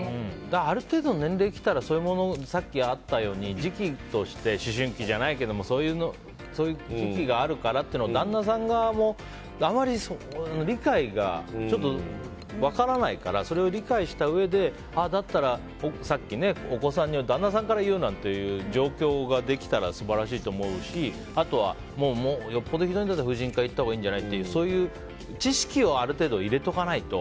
ある程度の年齢が来たらさっきあったように時期として思春期じゃないけれどもそういう時期があるからと旦那さん側も分からないからそれを理解したうえでだったら、さっきお子さんには旦那さんから言うなんていう状況ができたら素晴らしいと思うし、あとはよっぽどひどいんだったら婦人科に行ったほうがいいんじゃない？っていう知識を入れておかないと。